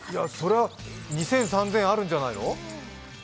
２０００、３０００あるんじゃないの？